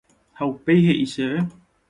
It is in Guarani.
ha upépe he'i chéve